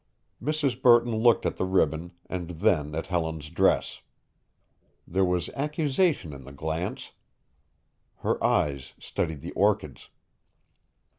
Mrs. Burton looked at the ribbon and then at Helen's dress. There was accusation in the glance. Her eyes studied the orchids.